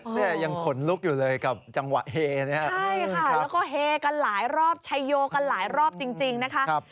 เนี่ยยังขนลุกอยู่เลยกับจังหวะเฮเนี่ยใช่ค่ะแล้วก็เฮกันหลายรอบชัยโยกันหลายรอบจริงนะคะ